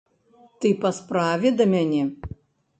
Ты па справе да мяне?